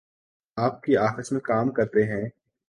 آپ کی آفس میں کام کرتے ہیں۔